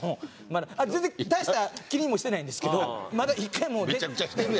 全然大した気にもしてないんですけどまだ１回も。